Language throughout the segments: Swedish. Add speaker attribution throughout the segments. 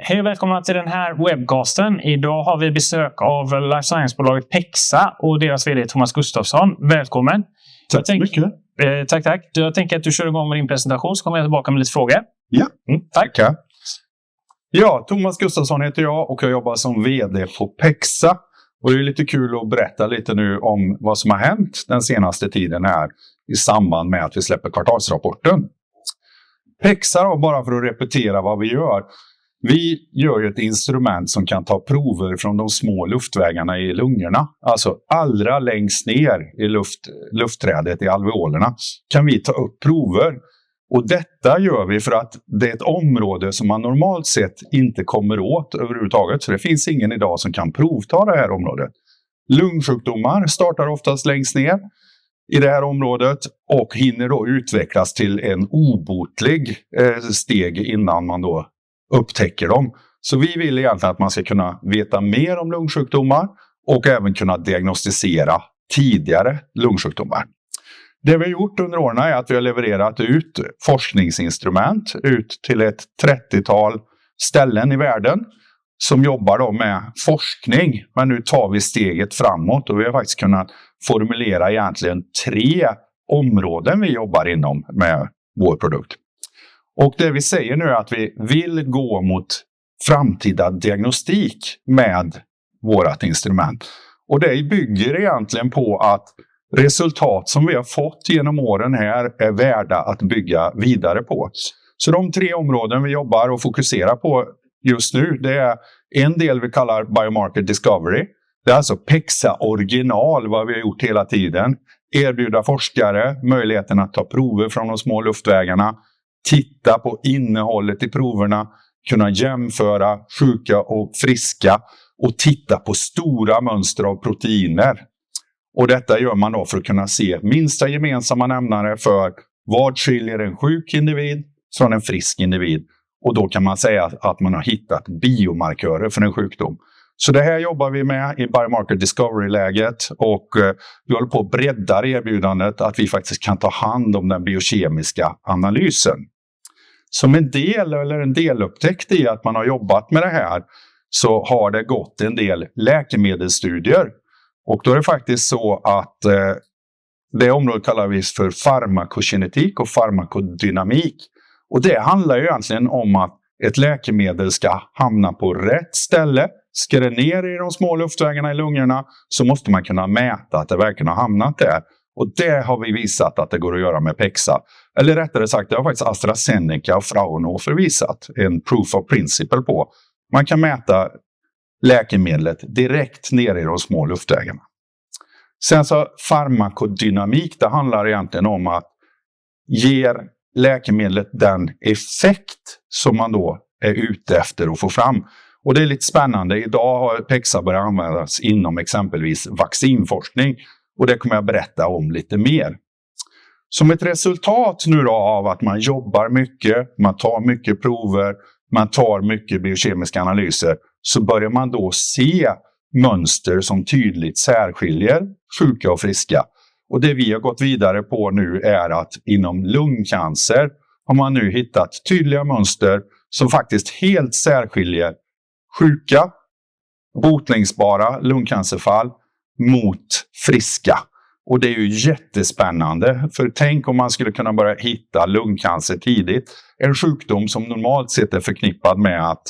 Speaker 1: Hej och välkomna till den här webcasten. Idag har vi besök av Life Science-bolaget Pexa och deras VD Thomas Gustafsson. Välkommen!
Speaker 2: Tack så mycket!
Speaker 1: Tack, tack! Jag tänker att du kör igång med din presentation, så kommer jag tillbaka med lite frågor.
Speaker 2: Ja, tack! Ja, Thomas Gustafsson heter jag och jag jobbar som VD på Pexa. Och det är ju lite kul att berätta lite nu om vad som har hänt den senaste tiden här i samband med att vi släpper kvartalsrapporten. Pexa, bara för att repetera vad vi gör, vi gör ju ett instrument som kan ta prover från de små luftvägarna i lungorna, alltså allra längst ner i luftträdet i alveolerna, kan vi ta upp prover. Och detta gör vi för att det är ett område som man normalt sett inte kommer åt överhuvudtaget, så det finns ingen idag som kan provta det här området. Lungsjukdomar startar oftast längst ner i det här området och hinner då utvecklas till ett obotligt steg innan man då upptäcker dem. Så vi vill egentligen att man ska kunna veta mer om lungsjukdomar och även kunna diagnostisera tidigare lungsjukdomar. Det vi har gjort under åren är att vi har levererat ut forskningsinstrument ut till ett trettiotal ställen i världen som jobbar då med forskning. Men nu tar vi steget framåt och vi har faktiskt kunnat formulera egentligen tre områden vi jobbar inom med vår produkt. Och det vi säger nu är att vi vill gå mot framtida diagnostik med vårt instrument. Och det bygger egentligen på att resultat som vi har fått genom åren här är värda att bygga vidare på. Så de tre områden vi jobbar och fokuserar på just nu, det är en del vi kallar Biomarker Discovery. Det är alltså Pexa original, vad vi har gjort hela tiden, erbjuda forskare möjligheten att ta prover från de små luftvägarna, titta på innehållet i proverna, kunna jämföra sjuka och friska och titta på stora mönster av proteiner. Och detta gör man då för att kunna se minsta gemensamma nämnare för vad skiljer en sjuk individ från en frisk individ. Och då kan man säga att man har hittat biomarkörer för en sjukdom. Det här jobbar vi med i Biomarker Discovery-läget och vi håller på att bredda erbjudandet att vi faktiskt kan ta hand om den biokemiska analysen. Som en del eller en delupptäckt i att man har jobbat med det här så har det gått en del läkemedelsstudier. Då är det faktiskt så att det området kallar vi för farmakogenetik och farmakodynamik. Det handlar ju egentligen om att ett läkemedel ska hamna på rätt ställe, ska det ner i de små luftvägarna i lungorna, så måste man kunna mäta att det verkligen har hamnat där. Det har vi visat att det går att göra med Pexa. Eller rättare sagt, det har faktiskt AstraZeneca och Fraunhofer visat en proof of principle på. Man kan mäta läkemedlet direkt ner i de små luftvägarna. Sen så farmakodynamik, det handlar egentligen om att ge läkemedlet den effekt som man då är ute efter att få fram. Och det är lite spännande. Idag har Pexa börjat användas inom exempelvis vaccinforskning och det kommer jag berätta om lite mer. Som ett resultat nu då av att man jobbar mycket, man tar mycket prover, man tar mycket biokemiska analyser, så börjar man då se mönster som tydligt särskiljer sjuka och friska. Och det vi har gått vidare på nu är att inom lungcancer har man nu hittat tydliga mönster som faktiskt helt särskiljer sjuka, botningsbara lungcancerfall mot friska. Det är ju jättespännande, för tänk om man skulle kunna börja hitta lungcancer tidigt, en sjukdom som normalt sett är förknippad med att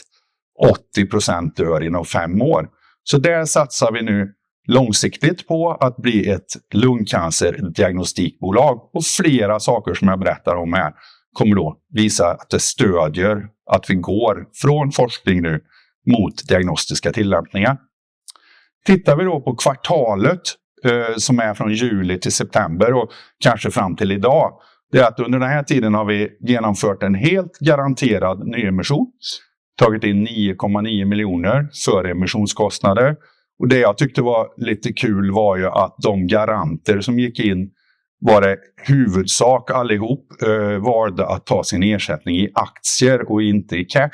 Speaker 2: 80% dör inom fem år. Så där satsar vi nu långsiktigt på att bli ett lungcancerdiagnostikbolag. Flera saker som jag berättar om här kommer då visa att det stödjer att vi går från forskning nu mot diagnostiska tillämpningar. Tittar vi då på kvartalet som är från juli till september och kanske fram till idag, det är att under den här tiden har vi genomfört en helt garanterad nyemission, tagit in 9,9 miljoner före emissionskostnader. Det jag tyckte var lite kul var ju att de garanter som gick in var det huvudsak allihop valde att ta sin ersättning i aktier och inte i cash.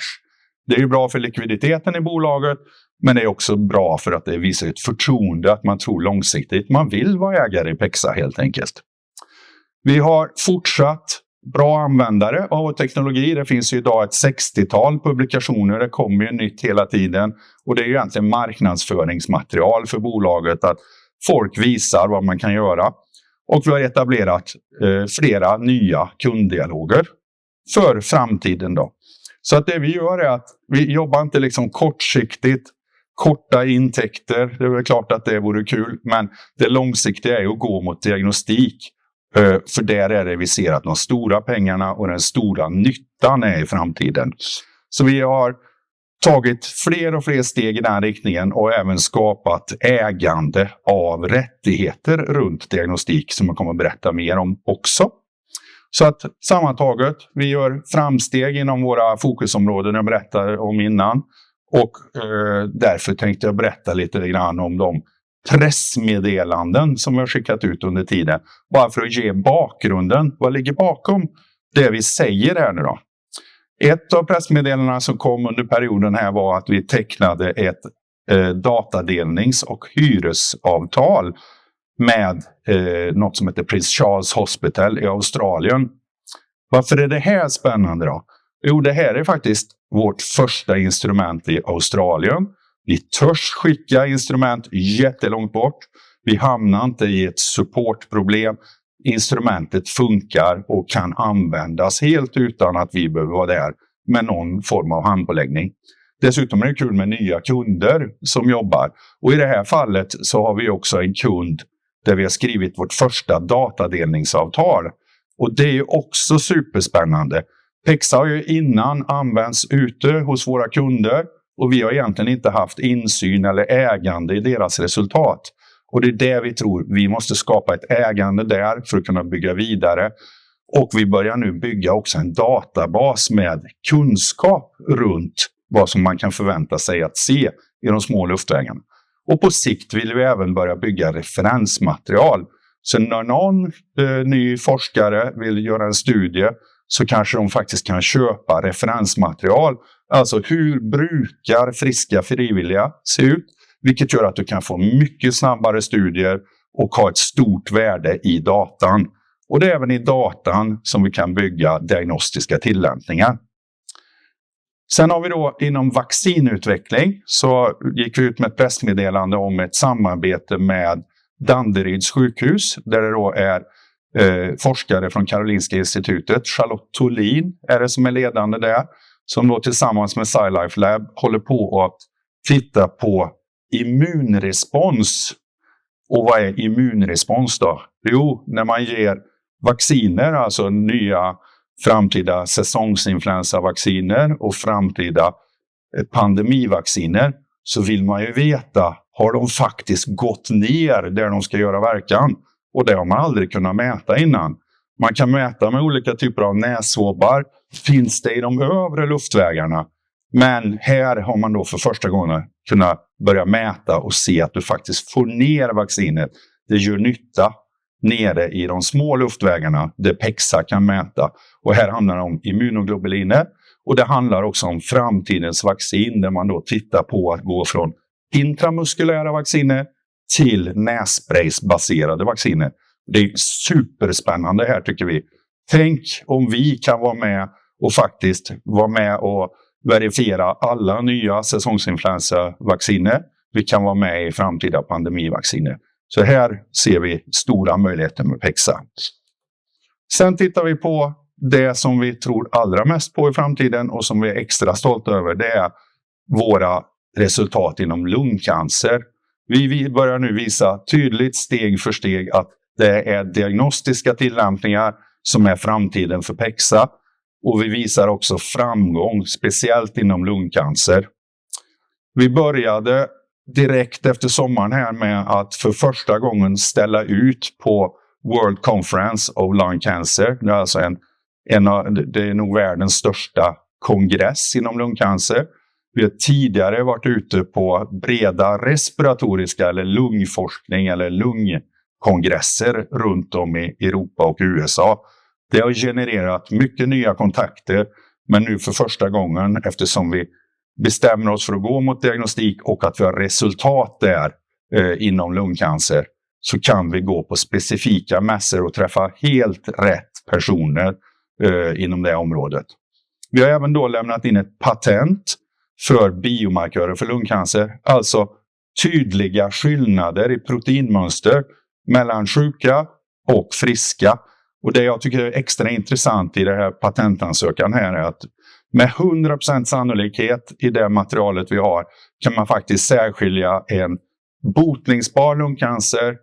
Speaker 2: Det är ju bra för likviditeten i bolaget, men det är också bra för att det visar ett förtroende att man tror långsiktigt att man vill vara ägare i Pexa helt enkelt. Vi har fortsatt bra användare av vår teknologi. Det finns ju idag ett sextiotal publikationer. Det kommer ju nytt hela tiden. Det är ju egentligen marknadsföringsmaterial för bolaget att folk visar vad man kan göra. Vi har etablerat flera nya kunddialoger för framtiden då. Det vi gör är att vi jobbar inte liksom kortsiktigt, korta intäkter. Det är väl klart att det vore kul, men det långsiktiga är ju att gå mot diagnostik, för där är det vi ser att de stora pengarna och den stora nyttan är i framtiden. Vi har tagit fler och fler steg i den här riktningen och även skapat ägande av rättigheter runt diagnostik som jag kommer att berätta mer om också. Sammantaget gör vi framsteg inom våra fokusområden jag berättade om innan. Därför tänkte jag berätta lite grann om de pressmeddelanden som vi har skickat ut under tiden, bara för att ge bakgrunden. Vad ligger bakom det vi säger här nu då? Ett av pressmeddelandena som kom under perioden här var att vi tecknade ett datadelnings- och hyresavtal med något som heter Prince Charles Hospital i Australien. Varför är det här spännande då? Det här är faktiskt vårt första instrument i Australien. Vi törs skicka instrument jättelångt bort. Vi hamnar inte i ett supportproblem. Instrumentet funkar och kan användas helt utan att vi behöver vara där med någon form av handpåläggning. Dessutom är det kul med nya kunder som jobbar. Och i det här fallet så har vi också en kund där vi har skrivit vårt första datadelningsavtal. Och det är ju också superspännande. Pexa har ju innan använts ute hos våra kunder och vi har egentligen inte haft insyn eller ägande i deras resultat. Och det är det vi tror. Vi måste skapa ett ägande där för att kunna bygga vidare. Och vi börjar nu bygga också en databas med kunskap runt vad som man kan förvänta sig att se i de små luftvägarna. Och på sikt vill vi även börja bygga referensmaterial. Så när någon ny forskare vill göra en studie så kanske de faktiskt kan köpa referensmaterial. Alltså hur brukar friska frivilliga se ut? Vilket gör att du kan få mycket snabbare studier och ha ett stort värde i datan. Och det är även i datan som vi kan bygga diagnostiska tillämpningar. Sen har vi då inom vaccinutveckling så gick vi ut med ett pressmeddelande om ett samarbete med Danderyds sjukhus där det då är forskare från Karolinska Institutet. Charlotte Tholin är det som är ledande där som då tillsammans med SciLifeLab håller på att titta på immunrespons. Vad är immunrespons då? Jo, när man ger vacciner, alltså nya framtida säsongsinfluensavacciner och framtida pandemivacciner, så vill man ju veta har de faktiskt gått ner där de ska göra verkan? Det har man aldrig kunnat mäta innan. Man kan mäta med olika typer av nässvabbar. Finns det i de övre luftvägarna? Men här har man då för första gången kunnat börja mäta och se att du faktiskt får ner vaccinet. Det gör nytta nere i de små luftvägarna där Pexa kan mäta. Här handlar det om immunoglobuliner. Och det handlar också om framtidens vaccin där man då tittar på att gå från intramuskulära vacciner till nässpraysbaserade vacciner. Det är superspännande här tycker vi. Tänk om vi kan vara med och faktiskt vara med och verifiera alla nya säsongsinfluensavacciner. Vi kan vara med i framtida pandemivacciner. Så här ser vi stora möjligheter med Pexa. Sen tittar vi på det som vi tror allra mest på i framtiden och som vi är extra stolta över. Det är våra resultat inom lungcancer. Vi börjar nu visa tydligt steg för steg att det är diagnostiska tillämpningar som är framtiden för Pexa. Vi visar också framgång, speciellt inom lungcancer. Vi började direkt efter sommaren här med att för första gången ställa ut på World Conference of Lung Cancer. Det är alltså en av, det är nog världens största kongress inom lungcancer. Vi har tidigare varit ute på breda respiratoriska eller lungforskning eller lungkongresser runt om i Europa och USA. Det har genererat mycket nya kontakter. Men nu för första gången, eftersom vi bestämmer oss för att gå mot diagnostik och att vi har resultat där inom lungcancer, så kan vi gå på specifika mässor och träffa helt rätt personer inom det området. Vi har även då lämnat in ett patent för biomarkörer för lungcancer, alltså tydliga skillnader i proteinmönster mellan sjuka och friska. Och det jag tycker är extra intressant i det här patentansökan här är att med 100% sannolikhet i det materialet vi har kan man faktiskt särskilja en botningsbar lungcancer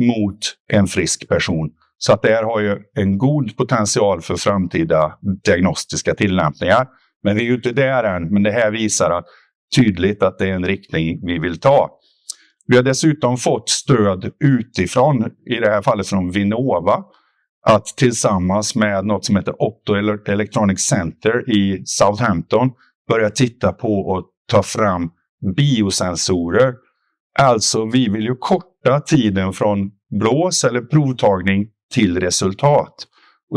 Speaker 2: mot en frisk person. Så det här har ju en god potential för framtida diagnostiska tillämpningar. Men vi är ju inte där än. Men det här visar tydligt att det är en riktning vi vill ta. Vi har dessutom fått stöd utifrån, i det här fallet från Vinnova, att tillsammans med något som heter Otto Electronic Center i Southampton börja titta på och ta fram biosensorer. Vi vill ju korta tiden från blås eller provtagning till resultat.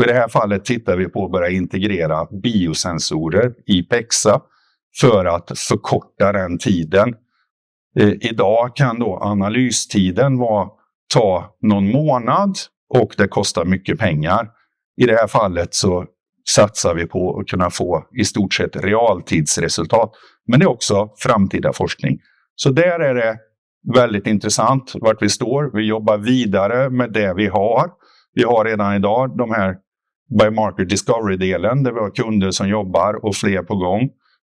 Speaker 2: I det här fallet tittar vi på att börja integrera biosensorer i Pexa för att förkorta den tiden. Idag kan analystiden ta någon månad och det kostar mycket pengar. I det här fallet satsar vi på att kunna få i stort sett realtidsresultat. Men det är också framtida forskning. Så där är det väldigt intressant var vi står. Vi jobbar vidare med det vi har. Vi har redan idag Biomarker Discovery-delen där vi har kunder som jobbar och fler på gång.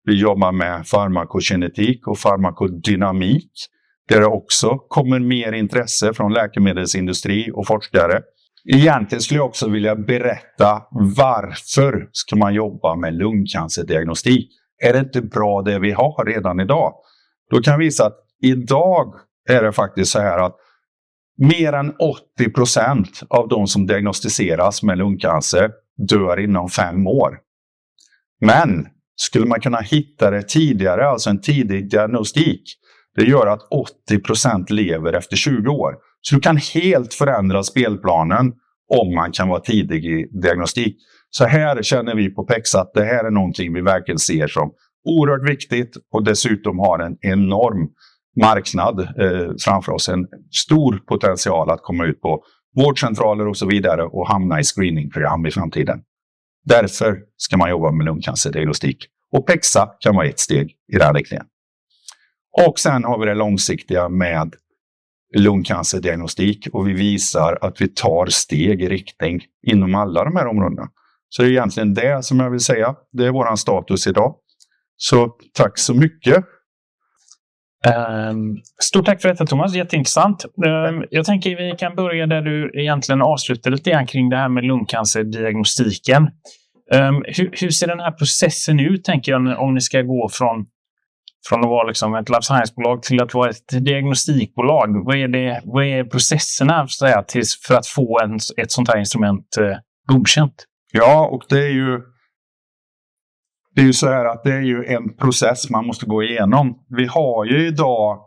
Speaker 2: Vi jobbar med farmakogenetik och farmakodynamik, där det också kommer mer intresse från läkemedelsindustri och forskare. Egentligen skulle jag också vilja berätta varför ska man jobba med lungcancerdiagnostik? Är det inte bra det vi har redan idag? Då kan jag visa att idag är det faktiskt så här att mer än 80% av de som diagnostiseras med lungcancer dör inom fem år. Men skulle man kunna hitta det tidigare, alltså en tidig diagnostik, det gör att 80% lever efter 20 år. Så du kan helt förändra spelplanen om man kan vara tidig i diagnostik. Så här känner vi på Pexa att det här är någonting vi verkligen ser som oerhört viktigt och dessutom har en enorm marknad framför oss. En stor potential att komma ut på vårdcentraler och så vidare och hamna i screeningprogram i framtiden. Därför ska man jobba med lungcancerdiagnostik. Pexa kan vara ett steg i den riktningen. Och sen har vi det långsiktiga med lungcancerdiagnostik och vi visar att vi tar steg i riktning inom alla de här områdena. Det är egentligen det som jag vill säga. Det är vår status idag. Tack så mycket. Stort tack för detta, Tomas. Jätteintressant. Jag tänker att vi kan börja där du egentligen avslutade lite grann kring det här med lungcancerdiagnostiken. Hur ser den här processen ut, tänker jag, om ni ska gå från att vara ett life science-bolag till att vara ett diagnostikbolag? Vad är det, vad är processerna för att få ett sånt här instrument godkänt? Ja, det är en process man måste gå igenom. Vi har idag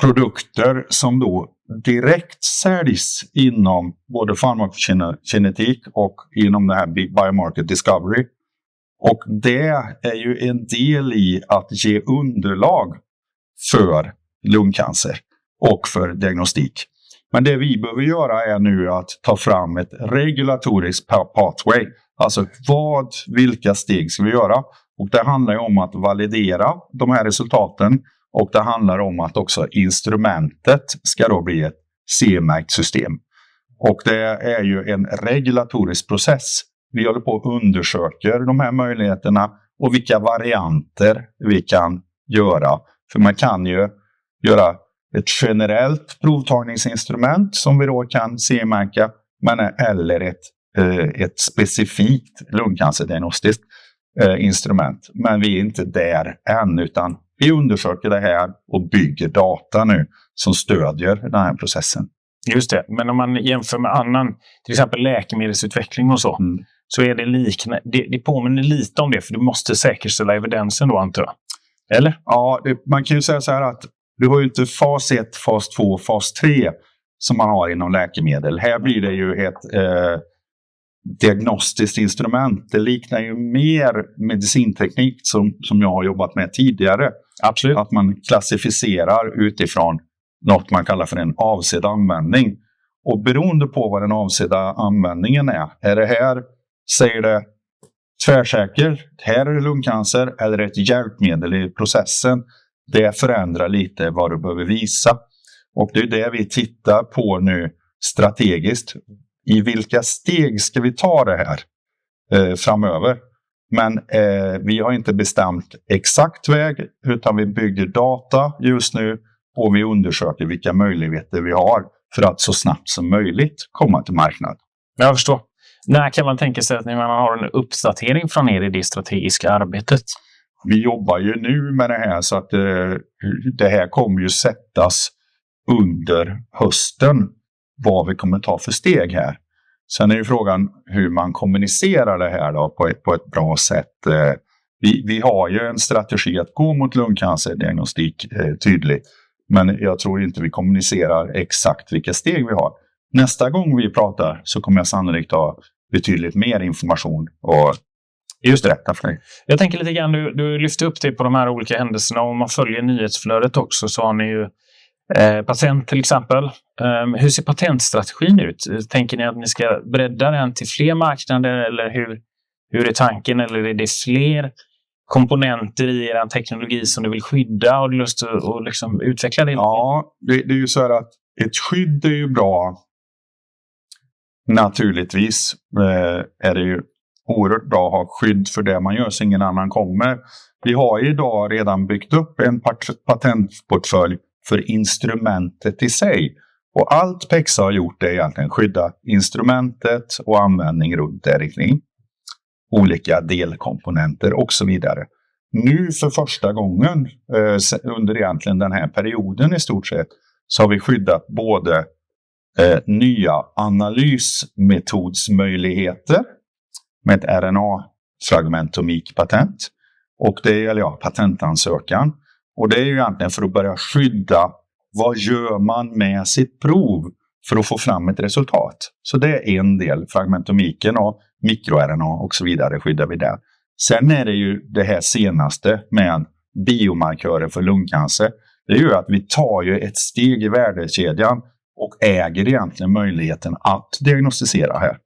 Speaker 2: produkter som då direkt säljs inom både farmakogenetik och inom det här Biomarker Discovery. Och det är ju en del i att ge underlag för lungcancer och för diagnostik. Men det vi behöver göra är nu att ta fram ett regulatoriskt pathway. Alltså vad, vilka steg ska vi göra? Och det handlar ju om att validera de här resultaten. Och det handlar om att också instrumentet ska då bli ett CE-märkt system. Och det är ju en regulatorisk process. Vi håller på och undersöker de här möjligheterna och vilka varianter vi kan göra. För man kan ju göra ett generellt provtagningsinstrument som vi då kan CE-märka, men eller ett specifikt lungcancerdiagnostiskt instrument. Men vi är inte där än, utan vi undersöker det här och bygger data nu som stödjer den här processen. Just det. Men om man jämför med annan, till exempel läkemedelsutveckling och så, så är det liknande. Det påminner lite om det, för du måste säkerställa evidensen då, antar jag. Eller? Ja, man kan ju säga så här att du har ju inte fas ett, fas två och fas tre som man har inom läkemedel. Här blir det ju ett diagnostiskt instrument. Det liknar ju mer medicinteknik som jag har jobbat med tidigare. Absolut. Att man klassificerar utifrån något man kallar för en avsedd användning. Och beroende på vad den avsedda användningen är, är det här, säger det, tvärsäkert, här är det lungcancer eller är det ett hjälpmedel i processen? Det förändrar lite vad du behöver visa. Och det är ju det vi tittar på nu strategiskt. I vilka steg ska vi ta det här framöver? Men vi har inte bestämt exakt väg, utan vi bygger data just nu och vi undersöker vilka möjligheter vi har för att så snabbt som möjligt komma till marknaden. Jag förstår. När kan man tänka sig att ni har en uppdatering från det strategiska arbetet? Vi jobbar ju nu med det här, så det här kommer ju sättas under hösten, vad vi kommer ta för steg här. Sen är ju frågan hur man kommunicerar det här då på ett bra sätt. Vi har ju en strategi att gå mot lungcancerdiagnostik tydligt. Men jag tror inte vi kommunicerar exakt vilka steg vi har. Nästa gång vi pratar så kommer jag sannolikt ha betydligt mer information och just rätt. Jag tänker lite grann, du lyfte upp det på de här olika händelserna, och om man följer nyhetsflödet också så har ni ju patent till exempel. Hur ser patentstrategin ut? Tänker ni att ni ska bredda den till fler marknader eller hur är tanken? Eller är det fler komponenter i teknologi som ni vill skydda och har lust att utveckla det? Ja, det är ju så här att ett skydd är ju bra. Naturligtvis är det ju oerhört bra att ha skydd för det man gör så ingen annan kommer. Vi har ju idag redan byggt upp en patentportfölj för instrumentet i sig. Och allt Pexa har gjort är egentligen att skydda instrumentet och användning runt det i riktning. Olika delkomponenter och så vidare. Nu för första gången, under egentligen den här perioden i stort sett, så har vi skyddat både nya analysmetodsmöjligheter med ett RNA-fragmentomik-patent. Och det gäller ju patentansökan. Och det är ju egentligen för att börja skydda vad gör man med sitt prov för att få fram ett resultat. Så det är en del. Fragmentomiken och mikro-RNA och så vidare skyddar vi där. Sen är det ju det här senaste med biomarkörer för lungcancer. Det är ju att vi tar ju ett steg i värdekedjan och äger egentligen möjligheten att diagnostisera här.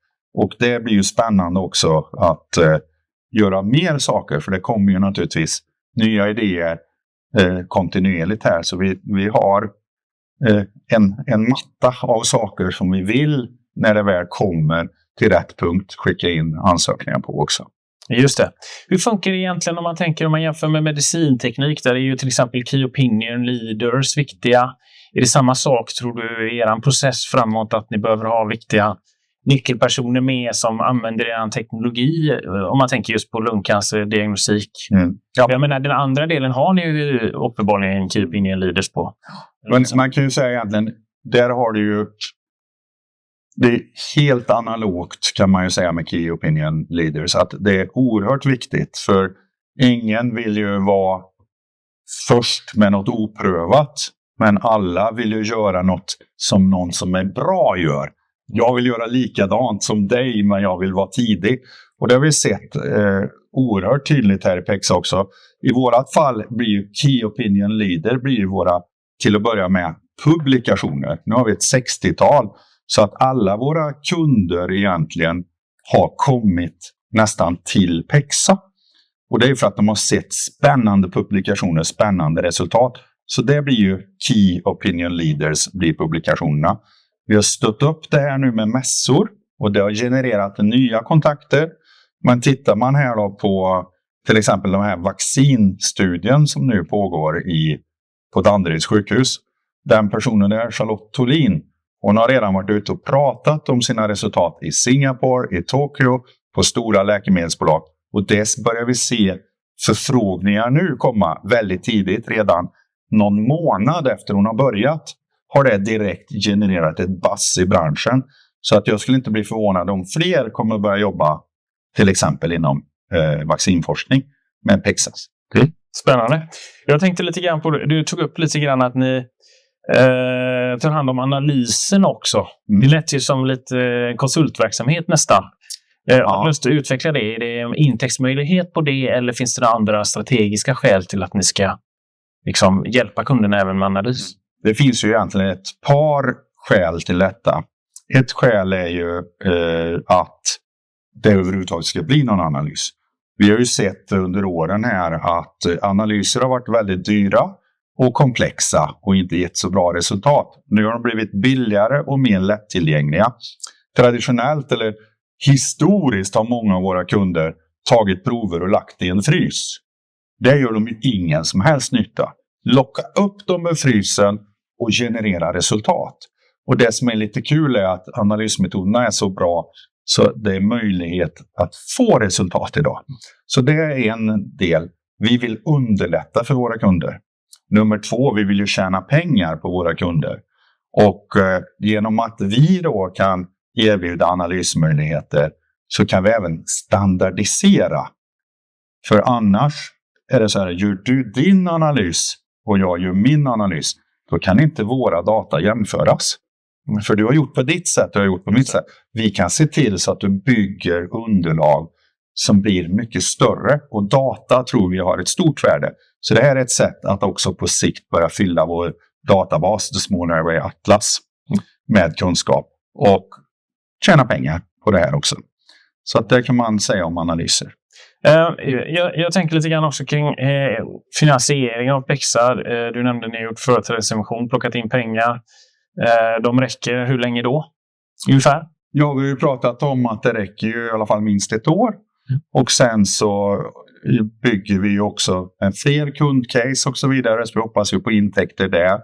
Speaker 2: Det blir ju spännande också att göra mer saker, för det kommer ju naturligtvis nya idéer kontinuerligt här. Vi har en matta av saker som vi vill, när det väl kommer till rätt punkt, skicka in ansökningar på också. Just det. Hur funkar det egentligen om man tänker om man jämför med medicinteknik? Där är ju till exempel Key Opinion Leaders viktiga. Är det samma sak, tror du, i process framåt att ni behöver ha viktiga nyckelpersoner med som använder teknologi? Om man tänker just på lungcancerdiagnostik. Jag menar, den andra delen har ni ju uppenbarligen Key Opinion Leaders på. Man kan ju säga egentligen, där har du ju, det är helt analogt kan man ju säga med Key Opinion Leaders. Att det är oerhört viktigt, för ingen vill ju vara först med något oprövat, men alla vill ju göra något som någon som är bra gör. Jag vill göra likadant som dig, men jag vill vara tidig. Det har vi sett oerhört tydligt här i Pexa också. I vårt fall blir ju Key Opinion Leaders våra publikationer till att börja med. Nu har vi ett 60-tal, så att alla våra kunder egentligen har kommit nästan till Pexa. Det är ju för att de har sett spännande publikationer, spännande resultat. Så det blir ju Key Opinion Leaders, blir publikationerna. Vi har stött upp det här nu med mässor, och det har genererat nya kontakter. Men tittar man här då på till exempel den här vaccinstudien som nu pågår på Danderyds sjukhus, den personen är Charlotte Tholin. Hon har redan varit ute och pratat om sina resultat i Singapore, i Tokyo, på stora läkemedelsbolag. Och där börjar vi se förfrågningar nu komma väldigt tidigt, redan någon månad efter hon har börjat, har det direkt genererat ett bass i branschen. Så jag skulle inte bli förvånad om fler kommer att börja jobba till exempel inom vaccinforskning med Pexa. Spännande. Jag tänkte lite grann på det, du tog upp lite grann att ni tar hand om analysen också. Det lät ju som lite konsultverksamhet nästan. Hur måste du utveckla det? Är det en intäktsmöjlighet på det, eller finns det några andra strategiska skäl till att ni ska liksom hjälpa kunderna även med analys? Det finns ju egentligen ett par skäl till detta. Ett skäl är ju att det överhuvudtaget ska bli någon analys. Vi har ju sett under åren här att analyser har varit väldigt dyra och komplexa och inte gett så bra resultat. Nu har de blivit billigare och mer lättillgängliga. Traditionellt, eller historiskt, har många av våra kunder tagit prover och lagt i en frys. Det gör dem ju ingen som helst nytta. Locka upp dem med frysen och generera resultat. Det som är lite kul är att analysmetoderna är så bra så det är möjlighet att få resultat idag. Så det är en del vi vill underlätta för våra kunder. Nummer två, vi vill ju tjäna pengar på våra kunder. Genom att vi då kan erbjuda analysmöjligheter så kan vi även standardisera. För annars är det så här, gör du din analys och jag gör min analys, då kan inte våra data jämföras. För du har gjort på ditt sätt och jag har gjort på mitt sätt. Vi kan se till så att du bygger underlag som blir mycket större. Och data tror vi har ett stort värde. Så det här är ett sätt att också på sikt börja fylla vår databas och små när vi är Atlas med kunskap och tjäna pengar på det här också. Så det kan man säga om analyser. Jag tänker lite grann också kring finansieringen av Pexa. Du nämnde att ni har gjort företrädesemission, plockat in pengar. De räcker hur länge då? Ungefär? Ja, vi har ju pratat om att det räcker ju i alla fall minst ett år. Och sen så bygger vi ju också en fler kundcase och så vidare. Så vi hoppas ju på intäkter där.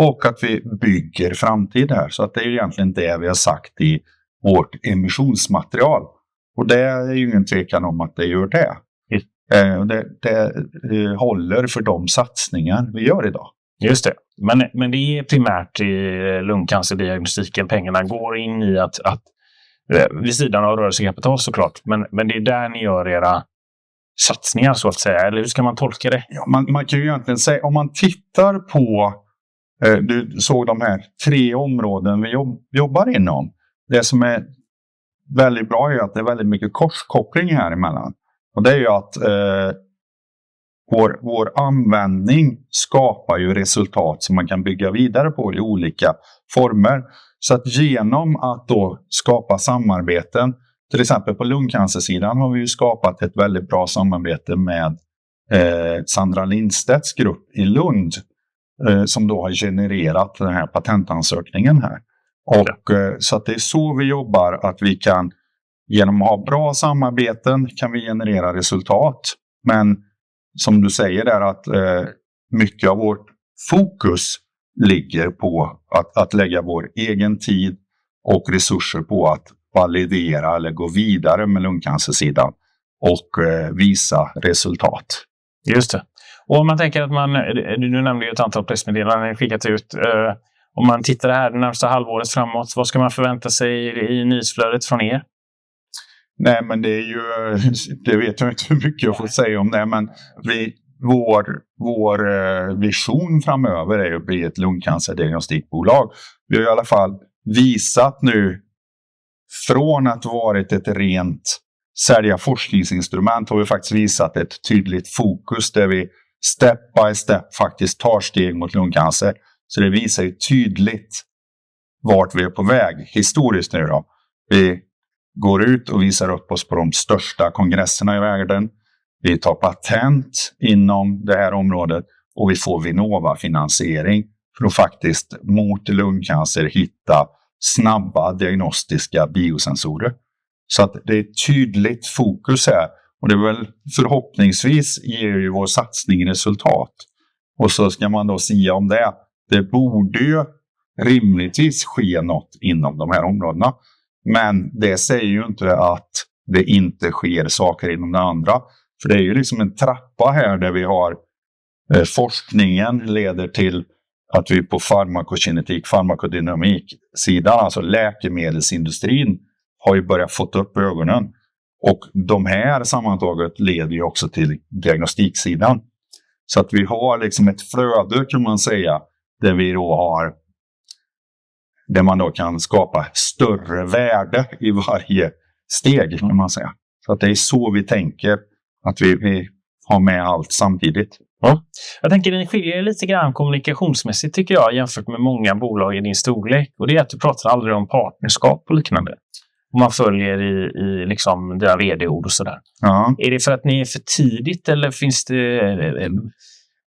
Speaker 2: Och att vi bygger framtid här. Så det är ju egentligen det vi har sagt i vårt emissionsmaterial. Och det är ju ingen tvekan om att det gör det. Just det. Det håller för de satsningar vi gör idag. Just det. Men det är primärt i lungcancerdiagnostiken pengarna går in i vid sidan av rörelsekapital såklart. Men det är där ni gör era satsningar så att säga. Eller hur ska man tolka det? Man kan ju egentligen säga, om man tittar på, du såg de här tre områden vi jobbar inom. Det som är väldigt bra är ju att det är väldigt mycket korskoppling här emellan. Det är ju att vår användning skapar ju resultat som man kan bygga vidare på i olika former. Genom att då skapa samarbeten, till exempel på lungcancersidan har vi ju skapat ett väldigt bra samarbete med Sandra Lindstedts grupp i Lund, som då har genererat den här patentansökningen här. Och så att det är så vi jobbar att vi kan genom att ha bra samarbeten kan vi generera resultat. Men som du säger där att mycket av vårt fokus ligger på att lägga vår egen tid och resurser på att validera eller gå vidare med lungcancersidan och visa resultat. Just det. Och om man tänker att man, du nämnde ju ett antal pressmeddelanden ni skickat ut. Om man tittar det här det närmaste halvåret framåt, vad ska man förvänta sig i nyhetsflödet från... Nej, men det är ju, det vet jag inte hur mycket jag får säga om det, men vår vision framöver är ju att bli ett lungcancerdiagnostikbolag. Vi har ju i alla fall visat nu, från att ha varit ett rent sälja forskningsinstrument, har vi faktiskt visat ett tydligt fokus där vi step by step faktiskt tar steg mot lungcancer. Det visar ju tydligt vart vi är på väg historiskt nu då. Vi går ut och visar upp oss på de största kongresserna i världen. Vi tar patent inom det här området och vi får Vinnova-finansiering för att faktiskt mot lungcancer hitta snabba diagnostiska biosensorer. Det är ett tydligt fokus här. Det är väl förhoppningsvis ger ju vår satsning resultat. Man ska då sia om det. Det borde ju rimligtvis ske något inom de här områdena. Men det säger ju inte att det inte sker saker inom det andra. För det är ju liksom en trappa här där vi har forskningen leder till att vi på farmakokinetik, farmakodynamiksidan, alltså läkemedelsindustrin, har ju börjat få upp ögonen. De här sammantaget leder ju också till diagnostiksidan. Så att vi har liksom ett flöde kan man säga, där vi då har, där man då kan skapa större värde i varje steg kan man säga. Så att det är så vi tänker att vi har med allt samtidigt. Jag tänker att ni skiljer lite grann kommunikationsmässigt tycker jag, jämfört med många bolag i din storlek. Det är att du pratar aldrig om partnerskap och liknande. Om man följer i liksom deras VD-ord och sådär. Är det för att ni är för tidigt eller finns det,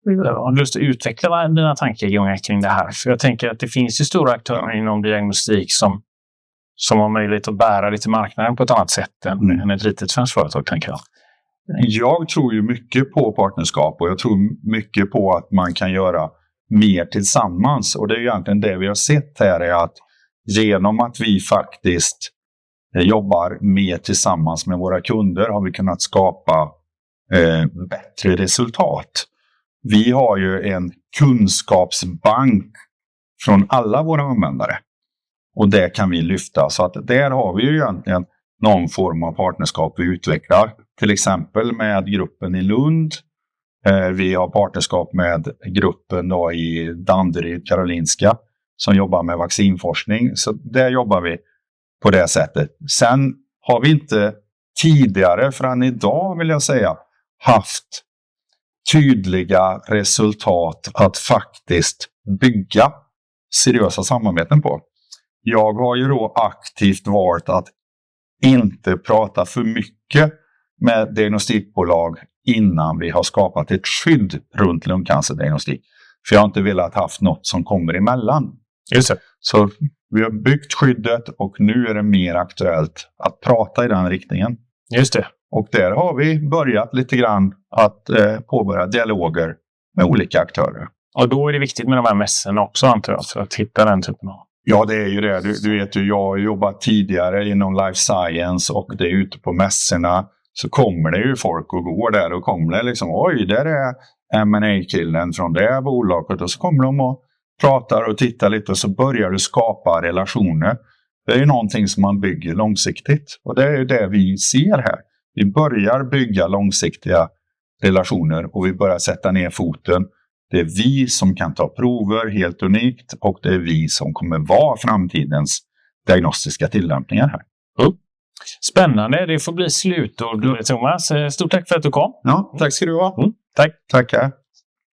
Speaker 2: har du lust att utveckla dina tankar kring det här? För jag tänker att det finns ju stora aktörer inom diagnostik som har möjlighet att bära lite marknaden på ett annat sätt än ett litet svenskt företag tänker jag. Jag tror ju mycket på partnerskap och jag tror mycket på att man kan göra mer tillsammans. Och det är ju egentligen det vi har sett här är att genom att vi faktiskt jobbar mer tillsammans med våra kunder har vi kunnat skapa bättre resultat. Vi har ju en kunskapsbank från alla våra användare. Och det kan vi lyfta. Så att där har vi ju egentligen någon form av partnerskap vi utvecklar. Till exempel med gruppen i Lund. Vi har partnerskap med gruppen då i Danderyd Karolinska som jobbar med vaccinforskning. Så där jobbar vi på det sättet. Sen har vi inte tidigare förrän idag vill jag säga haft tydliga resultat att faktiskt bygga seriösa samarbeten på. Jag har ju då aktivt valt att inte prata för mycket med diagnostikbolag innan vi har skapat ett skydd runt lungcancerdiagnostik. För jag har inte velat haft något som kommer emellan. Just det. Så vi har byggt skyddet och nu är det mer aktuellt att prata i den riktningen. Just det. Och där har vi börjat lite grann att påbörja dialoger med olika aktörer. Och då är det viktigt med de här mässorna också antar jag, för att hitta den typen av. Ja, det är ju det. Du vet ju jag har jobbat tidigare inom life science och det är ute på mässorna så kommer det ju folk och går där och kommer det liksom, oj där är M&A-killen från det här bolaget och så kommer de och pratar och tittar lite och så börjar du skapa relationer. Det är ju någonting som man bygger långsiktigt. Och det är ju det vi ser här. Vi börjar bygga långsiktiga relationer och vi börjar sätta ner foten. Det är vi som kan ta prover helt unikt och det är vi som kommer vara framtidens diagnostiska tillämpningar här. Spännande, det får bli slutord nu Thomas. Stort tack för att du kom. Ja, tack ska du ha. Tack, tackar.